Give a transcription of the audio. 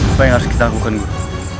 apa yang harus kita lakukan guru